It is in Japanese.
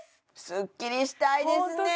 スッキリしたいですね